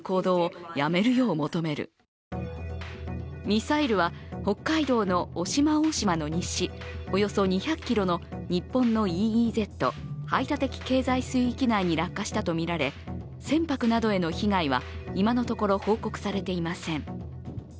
ミサイルは北海道の渡島大島の西およそ２００ｋｍの日本のＥＥＺ＝排他的経済水域内に落下したとみられ、船舶などへの被害は今のところ報告されていません。